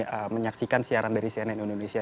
ketika menyaksikan siaran dari cnn indonesia